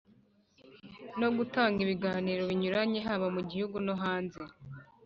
no gutanga ibiganiro binyuranye haba mu Gihugu no hanze